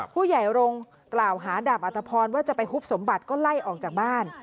ผู้ใหญ่รงค์กล่าวหาดาบอัตภพรว่าจะไปฮุบสมบัติก็ไล่ออกจากบ้าน